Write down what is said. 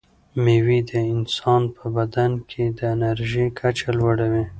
مېوې د انسان په بدن کې د انرژۍ کچه لوړوي.